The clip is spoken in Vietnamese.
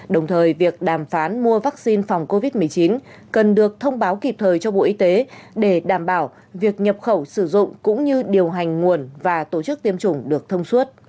đồng thời việc đàm phán mua vaccine phòng covid một mươi chín cần được thông báo kịp thời cho bộ y tế để đảm bảo việc nhập khẩu sử dụng cũng như điều hành nguồn và tổ chức tiêm chủng được thông suốt